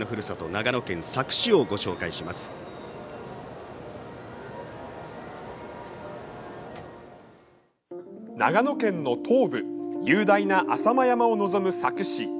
長野県の東部雄大な浅間山を臨む佐久市。